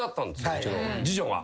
うちの次女が。